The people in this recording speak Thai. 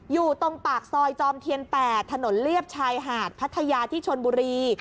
อยู่ตรงปากซอยจอมเทียน๘ถนนเลียบชายหาดพัทยาที่ชนบุรี